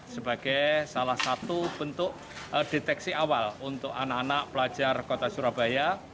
sebagai salah satu bentuk deteksi awal untuk anak anak pelajar kota surabaya